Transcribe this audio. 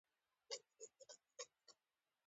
په افغانستان کې زمرد د خلکو د اعتقاداتو سره تړاو لري.